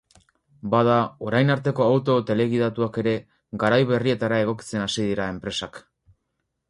Bada, orain arteko auto telegidatuak ere garai berrietara egokitzen hasi dira enpresak.